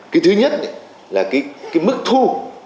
cái thứ nhất là mức thu